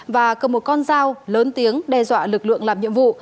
và cầm một con dao lớn tiếng đe dọa lực lượng làm nhiệm vụ